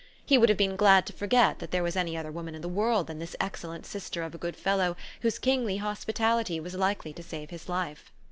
He would have been glad to forget that there was any other woman in the world than this excellent sister of a good fellow whose kingly hospitality was likely to save his life.